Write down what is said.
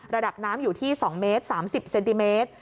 ระดับน้ำอยู่ที่๒เมตร๓๐เซนติเมตร